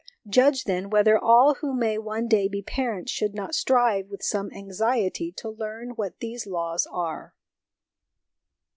Judge, then, whether all who may one day be parents should not strive with some anxiety to learn what these laws are."